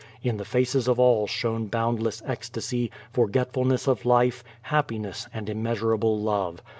In the faces n( all shone boundless ecstasy, for getfulncss of life, happiness, and innnea.'<urable love.